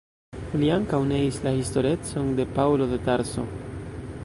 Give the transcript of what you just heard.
Li ankaŭ neis la historecon de Paŭlo de Tarso.